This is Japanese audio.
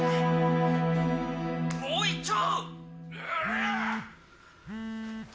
もう一丁！